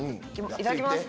いただきます！